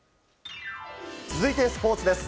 続いてスポーツです。